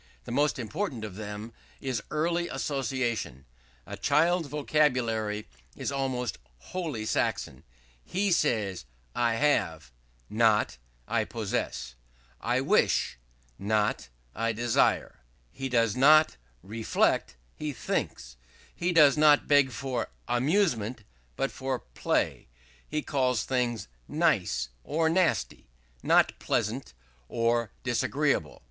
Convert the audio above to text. The most important of them is early association. A child's vocabulary is almost wholly Saxon. He says, I have, not I possess I wish, not I desire; he does not reflect, he thinks; he does not beg for amusement, but for play; he calls things nice or nasty, not pleasant or _disagreeable.